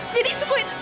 jadi suku itu